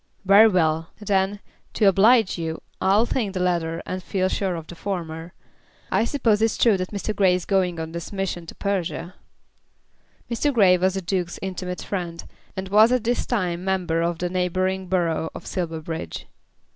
"Very well. Then, to oblige you, I'll think the latter and feel sure of the former. I suppose it's true that Mr. Grey is going on this mission to Persia?" Mr. Grey was the Duke's intimate friend, and was at this time member for the neighbouring borough of Silverbridge.